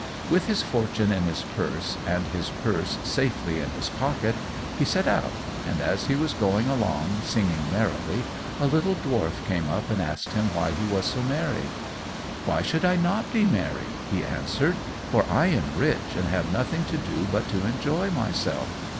With his fortune in his purse, and his purse safely in his pocket, he set out; and as he was going along, singing merrily, a little dwarf came up and asked him why he was so merry. "Why should I not be merry," he answered, "for I am rich and have nothing to do but to enjoy myself?